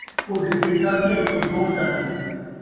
کجھ اے چٹ ہے ، کجھ او چٹ ہے